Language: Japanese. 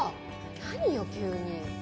何よ急に。